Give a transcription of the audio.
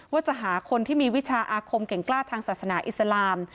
ว่าจะหาคนที่มีวิชาอาคมเก่งกล้าทางศาสนาอิสลาม